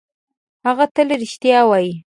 هغه تل رښتیا وايي.